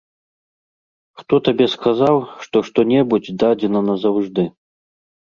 Хто табе сказаў, што што-небудзь дадзена назаўжды?